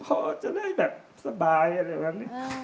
พอจะได้แบบสบายอะไรแบบนี้